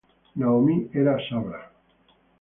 Naomi era sabra.